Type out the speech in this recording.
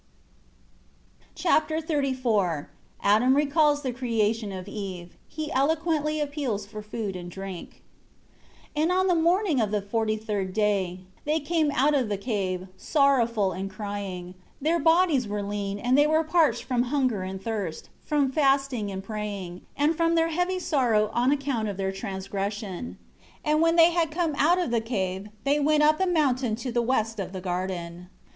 Chapter XXXIV Adam recalls the creation of Eve. He eloquently appeals for food and drink. 1 And on the morning of the forty third day, they came out of the cave, sorrowful and crying. Their bodies were lean, and they were parched from hunger and thirst, from fasting and praying, and from their heavy sorrow on account of their transgression. 2 And when they had come out of the cave they went up the mountain to the west of the garden.